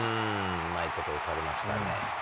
うまいこと打たれましたね。